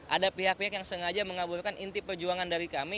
ada pihak pihak yang sengaja mengaburkan inti perjuangan dari kami